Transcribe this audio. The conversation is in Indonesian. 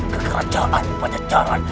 ke kerajaan pancacaran